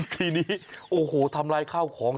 ทีนี้โอ้โหทำลายข้าวของ